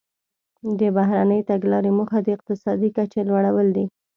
د بهرنۍ تګلارې موخه د اقتصادي کچې لوړول دي